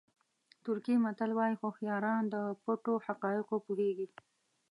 ترکي متل وایي هوښیاران د پټو حقایقو پوهېږي.